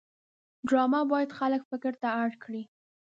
ډرامه باید خلک فکر ته اړ کړي